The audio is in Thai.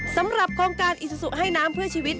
สำหรับโครงการอิซูซูให้น้ำเพื่อชีวิต